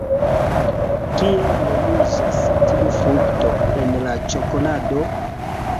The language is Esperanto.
Kiel nomiĝas tiu frukto en la ĉokolado?